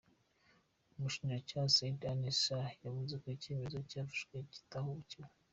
Umushinjacyaha, Syed Anees Shah yavuze ko icyemezo cyafashwe kitahubukiwe.